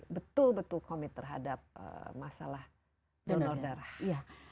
betul betul komit terhadap masalah donor darah